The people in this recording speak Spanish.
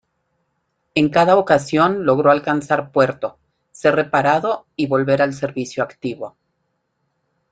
En cada ocasión logró alcanzar puerto, ser reparado y volver al servicio activo.